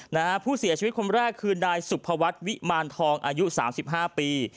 นะฮะผู้เสียชีวิตคนแรกคือนายสุภวัฒน์วิมารทองอายุสามสิบห้าปี